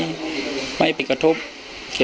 ถ้าใครอยากรู้ว่าลุงพลมีโปรแกรมทำอะไรที่ไหนยังไง